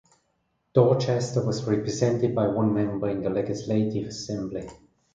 Dorchester was represented by one member in the Legislative Assembly.